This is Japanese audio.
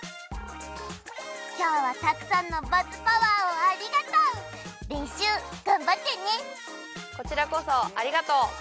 今日はたくさんのバズパワーをありがとう練習頑張ってねこちらこそありがとう！